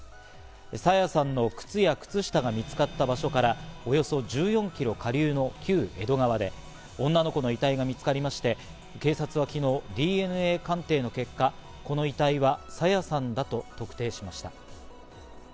朝芽さんの靴や靴下が見つかった場所からおよそ１４キロ下流の旧江戸川で女の子の遺体が見つかりまして、警察は昨日、ＤＮＡ鑑定の結果、この遺体は朝芽さんだと特定しました。